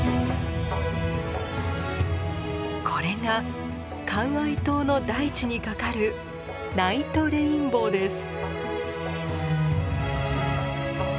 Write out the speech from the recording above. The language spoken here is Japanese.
これがカウアイ島の大地にかかるナイトレインボーです。